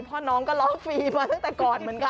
พอน้องก็ล๊อคฟรีมเต่าก่อนเหมือนกัน